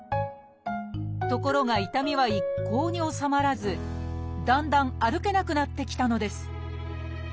ところが痛みは一向に治まらずだんだん歩けなくなってきたのです。